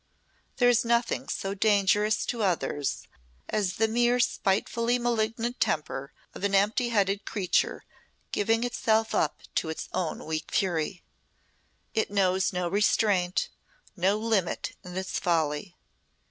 There is nothing so dangerous to others as the mere spitefully malignant temper of an empty headed creature giving itself up to its own weak fury. It knows no restraint, no limit in its folly.